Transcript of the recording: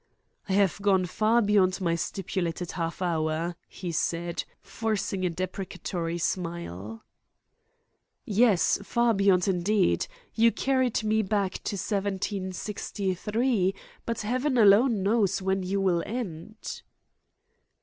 "I have gone far beyond my stipulated half hour," he said, forcing a deprecatory smile. "Yes; far beyond, indeed. You carried me back to 1763, but Heaven alone knows when you will end."